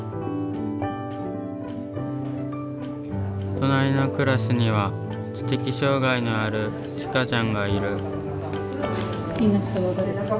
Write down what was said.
隣のクラスには知的障害のあるちかちゃんがいる。